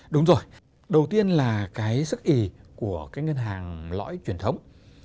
đúng rồi đầu tiên là cái sức ý của cái ngân hàng lõi truyền thống